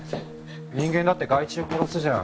人間だって害虫殺すじゃん。